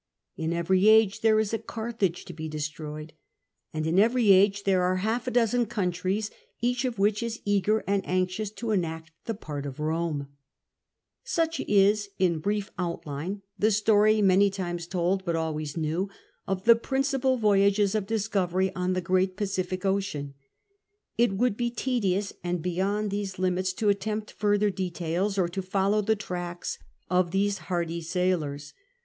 In every age there is a Carthage to be destroyed ; and in every age there are half a dozen countries each of which is eager and anxious to enact the part of Koma Such is, in brief outline, the story, many times told but always new, of tlie principal voyages of discovery on the great Pacific Ocean. It would be tedious and beyond these limits to attempt further details or to follow the tracks of these hardy sailors.